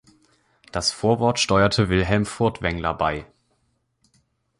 Das Vorwort steuerte Wilhelm Furtwängler bei.